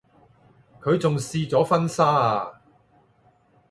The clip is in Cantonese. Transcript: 佢仲試咗婚紗啊